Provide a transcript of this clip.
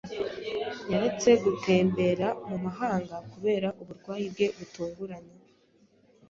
Yaretse gutembera mu mahanga kubera uburwayi bwe butunguranye.